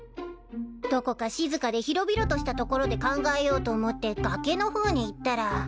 どこか静かで広々とした所で考えようと思って崖の方に行ったら。